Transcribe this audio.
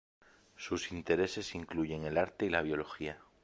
Sus intereses incluyen el arte y la biología.